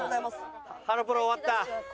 ハロプロ終わった。